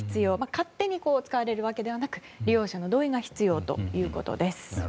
勝手に使われるわけではなく利用者の同意が必要ということです。